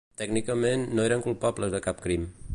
Tècnicament, no eren culpables de cap crim.